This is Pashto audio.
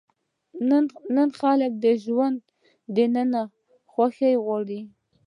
نن خلک د ژوند دننه خوښي غواړي.